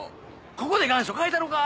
ここで願書書いたろか！